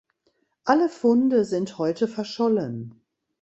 Alle Funde sind heute verschollen.